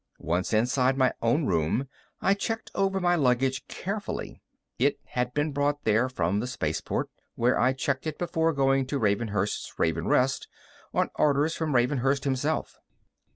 Once inside my own room, I checked over my luggage carefully. It had been brought there from the spaceport, where I'd checked it before going to Ravenhurst's Raven's Rest, on orders from Ravenhurst himself.